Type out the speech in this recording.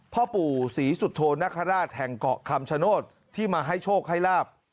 พ่อปู่ศรีสุโธนคราชแห่งเกาะคำชโนธที่มาให้โชคให้ลาบ